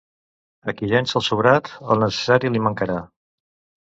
A qui llença el sobrat, el necessari li mancarà.